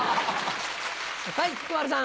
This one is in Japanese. はい菊丸さん。